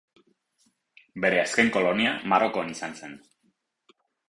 Bere azken kolonia Marokon izan zen.